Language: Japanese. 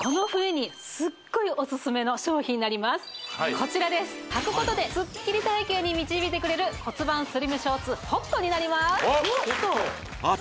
こちらですはくことでスッキリ体型に導いてくれる骨盤スリムショーツＨＯＴになります